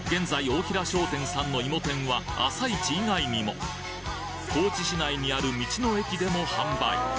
大平商店さんのいも天は朝市以外にも高知市内にある道の駅でも販売